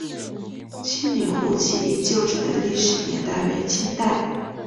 七女湖起义旧址的历史年代为清代。